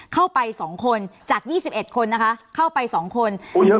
เข้าไป๒คนจาก๒๑คนนะคะเข้าไป๒คน